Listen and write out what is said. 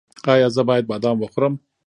ایا زه باید بادام وخورم؟